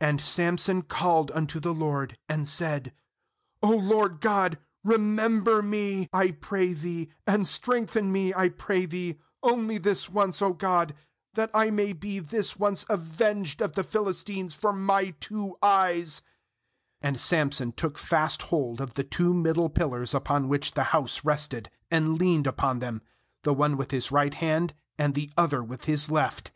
28And Samson called unto the LORD, and said: 'O Lord GOD, remember me, I pray Thee, and strengthen me, I pray Thee, only this once, 0 God, that I may be this once avenged of the Philistines for my two eyes/ 29And Samson took fast hold of the two middle pillars upon which the house rested, and leaned upon them, the one with his right hand, and the other with his left.